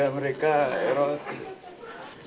ada mereka eros